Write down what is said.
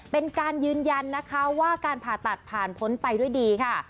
เป็นการยืนยันนะคะว่าการผ่าตัดผ่านพ้นไปด้วยดีค่ะ